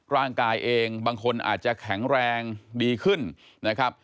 ร่างกายเองบางคนอาจจะแข็งแรงดีขึ้นนะครับ